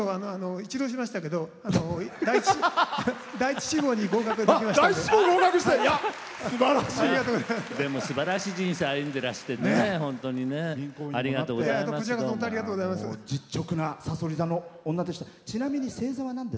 一浪しましたけど第１志望に合格できましたので。